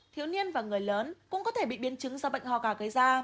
thiếu niên và người lớn cũng có thể bị biến chứng do bệnh ho gà gây ra